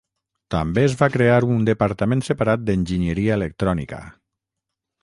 També es va crear un departament separat d'enginyeria electrònica.